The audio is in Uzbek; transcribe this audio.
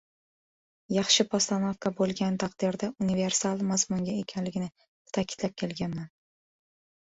yaxshi postanovka bo‘lgan taqdirda universal mazmunga egaligini ta’kidlab kelganman.